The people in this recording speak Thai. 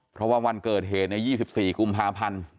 เพราะว่าวันเกิดเหตุใน๒๔กุมภาพันธ์